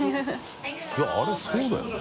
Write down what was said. いあれそうだよね？